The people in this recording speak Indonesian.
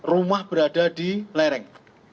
rumah berada di lereng